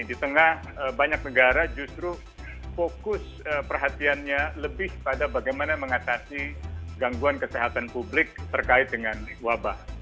di tengah banyak negara justru fokus perhatiannya lebih pada bagaimana mengatasi gangguan kesehatan publik terkait dengan wabah